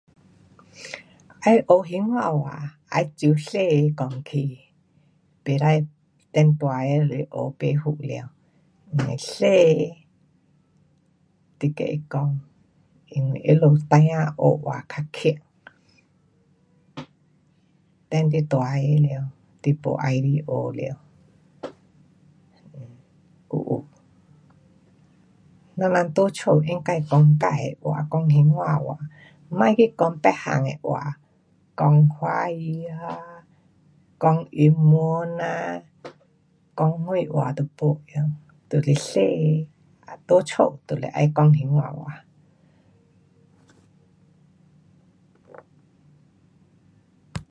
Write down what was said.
要学兴华话要由小个讲起，不可等大个来学，不及了。小个，你跟他讲，因为他们孩儿学话较棒，等你大个了，你不喜欢学了。还有，我人在家应该讲自的话，讲兴华话。别去讲别样的话。讲华语啊，讲英文呐，讲什话都没用。就是小个在家就得要讲兴华话。